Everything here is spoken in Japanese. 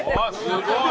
すごい！